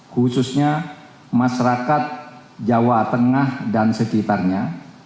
khususnya masyarakat jawa tengah dan sekitarnya